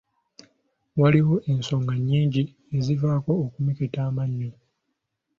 Waliwo ensonga nnyingi ezivaako okumeketa amannyo.